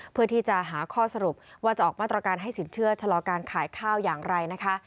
เพื่อที่จะหาข้อสรุปว่าจะออกมาตรการให้สินเชื่อชะลอการขายข้าวอย่างไรนะคะ